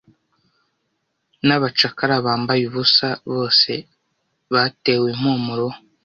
N'abacakara bambaye ubusa, bose batewe impumuro,